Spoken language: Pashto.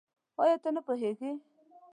آيا ته نه پوهېږې؟